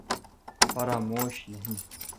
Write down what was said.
فراموش نہیں